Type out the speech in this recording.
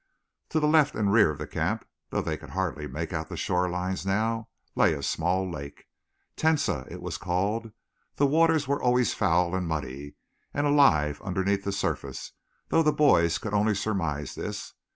To the left and rear of the camp, though they could hardly make out the shore lines now, lay a small lake. Tensas it was called. The waters were always foul and muddy, and alive underneath the surface, though the boys could only surmise this.